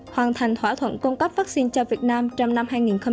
hoàn thành thỏa thuận cung cấp vaccine cho việt nam trong năm hai nghìn hai mươi